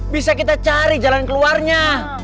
bisa kita cari jalan keluarnya